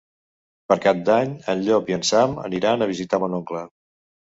Per Cap d'Any en Llop i en Sam aniran a visitar mon oncle.